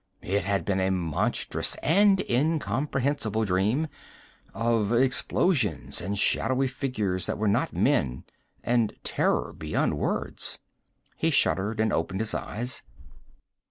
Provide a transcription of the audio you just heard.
It had been a monstrous and incomprehensible dream, of explosions and shadowy figures that were not men and terror beyond words. He shuddered and opened his eyes.